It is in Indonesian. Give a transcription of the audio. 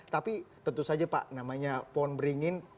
tapi tentu saja pak namanya pohon beringin